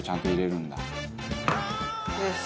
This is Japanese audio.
よし。